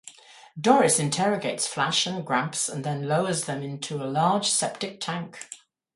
Doris interrogates Flash and Gramps and then lowers them into a large septic tank.